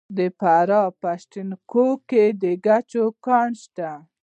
د فراه په پشت کوه کې د ګچ کان شته.